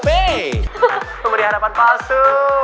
pemberi harapan palsu